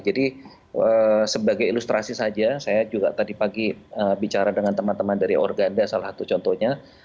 jadi sebagai ilustrasi saja saya juga tadi pagi bicara dengan teman teman dari organda salah satu contohnya